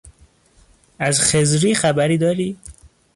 از خضری خبری داری؟